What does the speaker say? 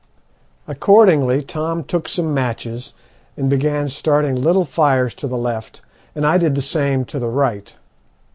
Accordingly Tom took some matches and began starting little fires to the left, and I did the same to the right.